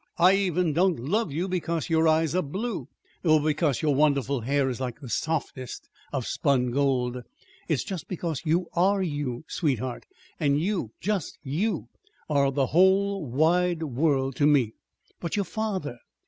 I even don't love you because your eyes are blue, or because your wonderful hair is like the softest of spun gold. It's just because you are you, sweetheart; and you, just you, are the whole wide world to me!" "But your father?"